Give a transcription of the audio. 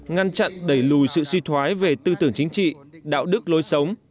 ngăn chặn đẩy lùi sự suy thoái về tư tưởng chính trị đạo đức lối sống